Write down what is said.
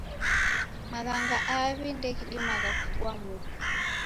Maghana aw'i ndeghidimagha kufua mufu.